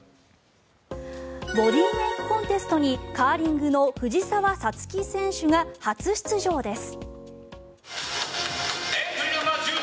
ボディーメイクコンテストにカーリングの藤澤五月選手が初出場です。